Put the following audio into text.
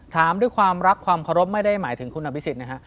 ถามด้วยความรักความเคารพไม่ได้หมายถึงคุณอภิษฎนะฮะ